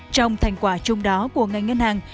trong thành quả chung đó của ngành ngân hàng